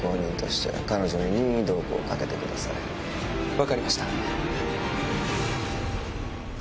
分かりました。